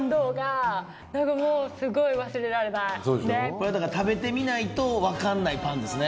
これはだから食べてみないと分からないパンですね。